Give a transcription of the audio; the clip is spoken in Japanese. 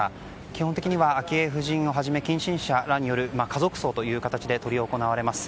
基本的には昭恵夫人をはじめ近親者らによる家族葬という形で執り行われます。